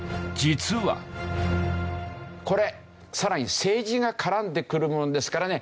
これさらに政治が絡んでくるものですからね